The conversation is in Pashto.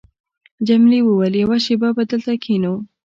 جميلې وويل:، یوه شېبه به دلته کښېنو.